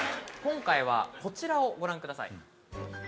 今回はこちらをご覧ください。